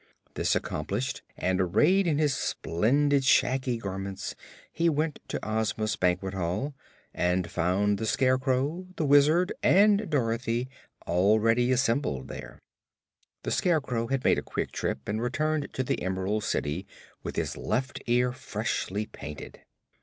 This accomplished, and arrayed in his splendid shaggy garments, he went to Ozma's banquet hall and found the Scarecrow, the Wizard and Dorothy already assembled there. The Scarecrow had made a quick trip and returned to the Emerald City with his left ear freshly painted.